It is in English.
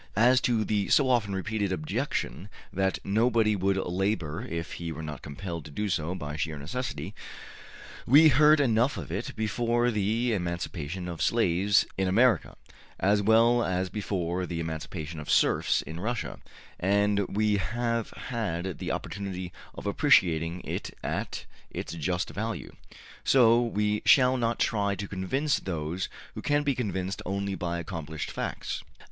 ``As to the so often repeated objection that nobody would labor if he were not compelled to do so by sheer necessity, we heard enough of it before the emancipation of slaves in America, as well as before the emancipation of serfs in Russia; and we have had the opportunity of appreciating it at its just value. So we shall not try to convince those who can be convinced only by accomplished facts.